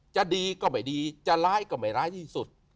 จะดีก็ไม่ดีจะร้ายก็ไม่ร้ายที่สุด